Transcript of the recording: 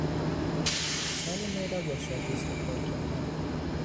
سال نو را با شادی استقبال کردن